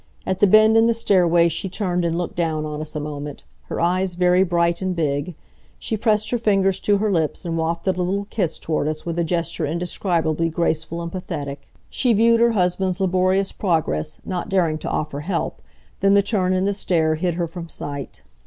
At the bend in the stairway she turned and looked down on us a moment, her eyes very bright and big. She pressed her fingers to her lips and wafted a little kiss toward us with a gesture indescribably graceful and pathetic. She viewed her husband's laborious progress, not daring to offer help. Then the turn in the stair hid her from sight.